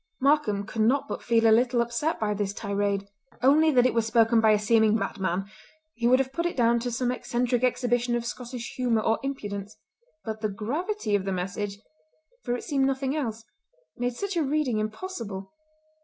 Markam could not but feel a little upset by this tirade. Only that it was spoken by a seeming madman, he would have put it down to some eccentric exhibition of Scottish humour or impudence; but the gravity of the message—for it seemed nothing else—made such a reading impossible.